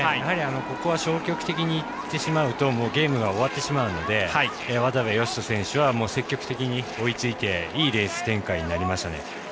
ここは消極的にいってしまうとゲームが終わってしまうので渡部善斗選手は積極的に追いついていいレース展開になりましたね。